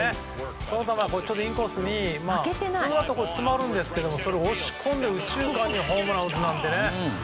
その球がインコースに普通は詰まるんですけどそれを押し込んで右中間にホームランを打つなんてね。